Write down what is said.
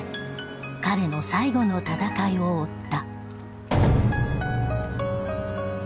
彼の最後の闘いを追った。